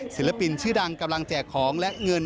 ศิลปินชื่อดังกำลังแจกของและเงิน